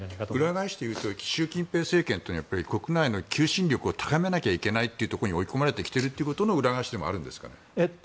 裏返して言うと習近平政権は国内の求心力を高めないといけないところまで追い込まれてきてるということの裏返しでもあるんですか。